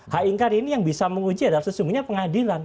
haingkar ini yang bisa menguji adalah sesungguhnya pengadilan